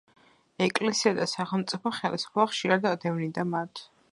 ეკლესია და სახელმწიფო ხელისუფლება ხშირად დევნიდა მათ.